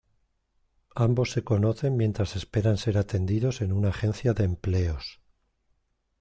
Ambos se conocen mientras esperan ser atendidos en una agencia de empleos.